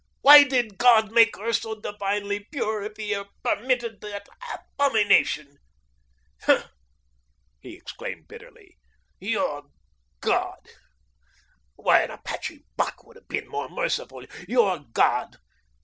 Why did God make her so divinely pure if He permitted that abomination? Ha!" he exclaimed bitterly, "your God! Why, an Apache buck would have been more merciful. Your God!